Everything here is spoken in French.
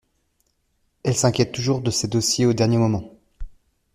Elle s'inquiète toujours de ses dossiers au dernier moment.